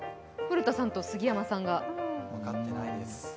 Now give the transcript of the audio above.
分かってないです。